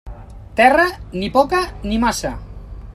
Terra, ni poca ni massa.